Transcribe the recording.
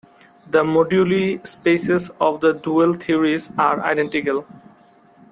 The moduli spaces of the dual theories are identical.